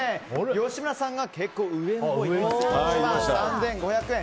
吉村さんが結構上のほう１万３５００円。